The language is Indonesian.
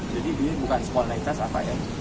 jadi ini bukan sebuah rutinitas apa ya